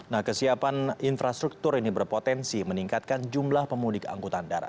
nah kesiapan infrastruktur ini berpotensi meningkatkan jumlah pemudik angkutan darat